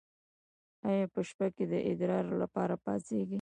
ایا په شپه کې د ادرار لپاره پاڅیږئ؟